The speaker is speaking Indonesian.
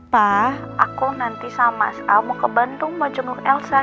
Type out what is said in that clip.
pak aku nanti sama mau ke bandung mau jenguk elsa